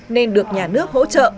nên được nhà nước hỗ trợ